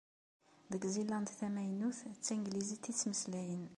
Deg Ziland Tamaynut, d taglizit i ttmeslayen.